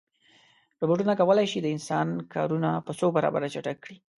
روبوټونه کولی شي د انسان کارونه په څو برابره چټک کړي.